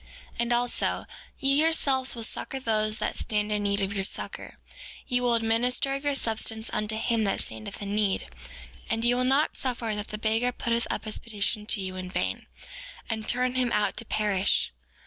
4:16 And also, ye yourselves will succor those that stand in need of your succor; ye will administer of your substance unto him that standeth in need; and ye will not suffer that the beggar putteth up his petition to you in vain, and turn him out to perish.